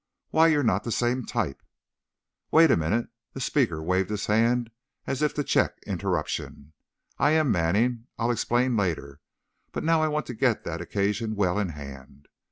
Why, you're not the same type " "Wait a minute," the speaker waved his hand as if to check interruption, "I am Manning, I'll explain later, but now I want to get that occasion well in hand.